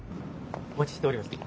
お待ちしておりました。